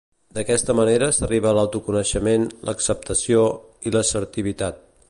D'aquesta manera s'arriba a l'autoconeixement, l'acceptació i l'assertivitat.